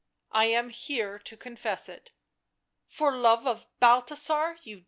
" I am here to confess it." " For love of Balthasar you did it.